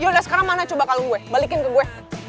yaudah sekarang mana coba kalung gue balikin ke gue